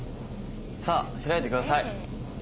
さあ開いて下さい。